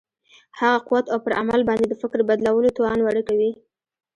هغه قوت او پر عمل باندې د فکر بدلولو توان ورکوي.